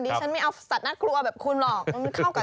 ฉันไม่เอาสัตว์น่ากลัวแบบคุณหรอก